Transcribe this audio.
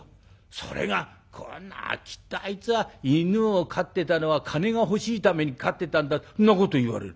それがこんな『きっとあいつは犬を飼ってたのは金が欲しいために飼ってたんだ』んなこと言われる。